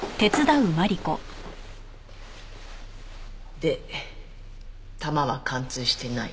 で弾は貫通してない。